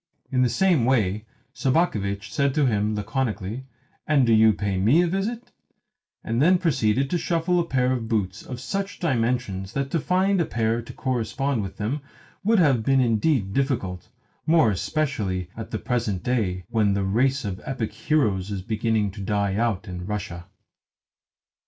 In the same way Sobakevitch said to him laconically: "And do you pay ME a visit," and then proceeded to shuffle a pair of boots of such dimensions that to find a pair to correspond with them would have been indeed difficult more especially at the present day, when the race of epic heroes is beginning to die out in Russia.